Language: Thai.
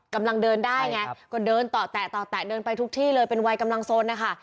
กำลังเดินได้ไงก็เดินต่อแตะต่อแตะเดินไปทุกที่เลยเป็นวัยกำลังสนนะคะ